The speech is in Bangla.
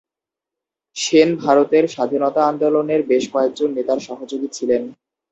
সেন ভারতের স্বাধীনতা আন্দোলনের বেশ কয়েকজন নেতার সহযোগী ছিলেন।